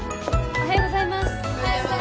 おはようございます。